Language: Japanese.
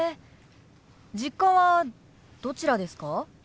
実家はどちらですか？